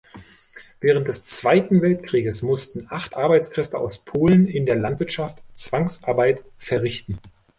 Während des Zweiten Weltkrieges mussten acht Arbeitskräfte aus Polen in der Landwirtschaft Zwangsarbeit verrichten.